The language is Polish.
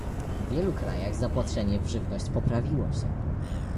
W wielu krajach zaopatrzenie w żywność poprawiło się